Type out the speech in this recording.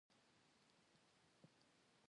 سلطان جلال الدین خلجي له ترکانو سره توپیر درلود.